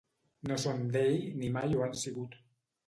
No són d'ell ni mai ho han sigut.